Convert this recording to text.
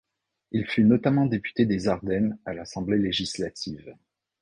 Il fut notamment député des Ardennes à l’Assemblée législative.